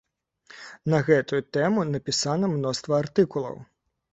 На гэтую тэму напісана мноства артыкулаў.